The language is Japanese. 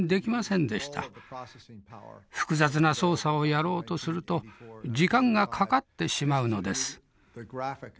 複雑な操作をやろうとすると時間がかかってしまうのです。